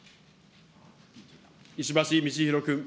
石橋通宏君。